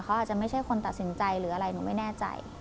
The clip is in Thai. เขาอาจจะไม่ใช่คนตัดสินใจหรืออะไรหนูไม่แน่ใจ